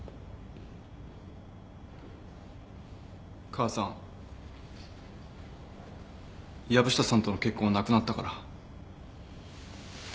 母さん藪下さんとの結婚なくなったから。